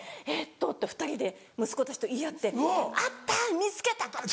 えっと」って２人で息子たちと言い合って「あった！見つけた！」。